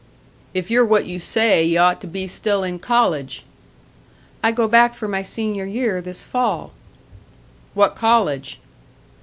"If you're what you say, you ought to be still in college." "I go back for my senior year this fall." "What college?"